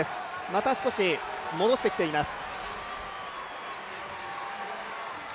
また少し戻してきています。